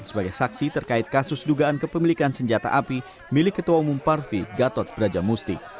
sebagai saksi terkait kasus dugaan kepemilikan senjata api milik ketua umum parvi gatot brajamusti